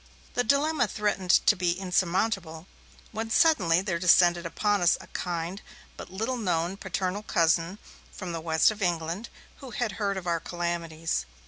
The dilemma threatened to be insurmountable, when suddenly there descended upon us a kind, but little known, paternal cousin from the west of England, who had heard of our calamities.